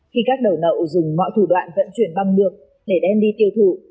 khi các đầu nậu dùng mọi thủ đoạn vận chuyển băng được để đem đi tiêu thụ